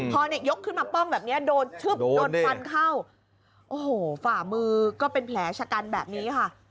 พอเนี่ยยกขึ้นมาป้องแบบนี้โดนทึบโดนฟันเข้าโอ้โหฝ่ามือก็เป็นแผลชะกันแบบนี้ค่ะ